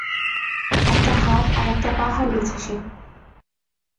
একটা হাত আর একটা পা হারিয়েছে সে।